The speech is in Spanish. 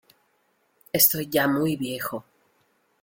Estoy ya muy viejo.